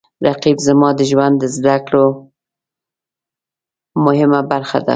رقیب زما د ژوند د زده کړو مهمه برخه ده